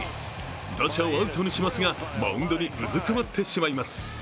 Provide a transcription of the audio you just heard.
打者をアウトにしますがマウンドにうずくまってしまいます。